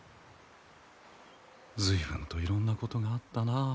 随分といろんなことがあったなあ。